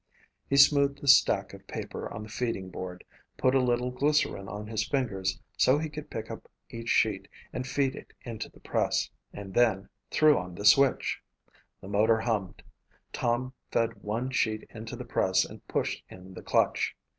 He smoothed the stack of paper on the feeding board, put a little glycerine on his fingers so he could pick up each sheet and feed it into the press, and then threw on the switch. The motor hummed. Tom fed one sheet into the press and pushed in the clutch.